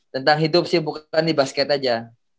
tentang hidup sih bukan di basket aja